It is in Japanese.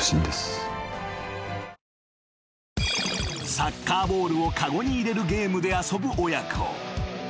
［サッカーボールを籠に入れるゲームで遊ぶ親子］